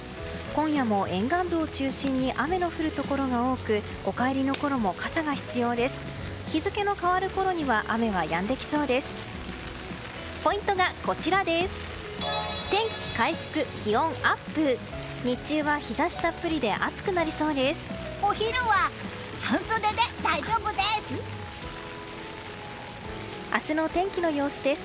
今夜も沿岸部を中心に雨の降るところが多くお帰りのころも傘が必要です。